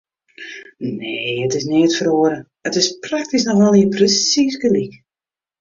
Nee, it is neat feroare, it is praktysk noch allegear persiis gelyk.